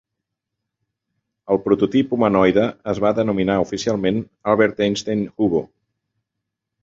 El prototip humanoide es va denominar oficialment "Albert Einstein Hubo".